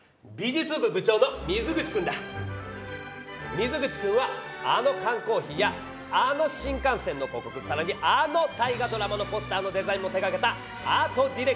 水口くんはあのかんコーヒーやあの新幹線の広告さらにあの「大河ドラマ」のポスターのデザインも手がけたアートディレクターなんだ。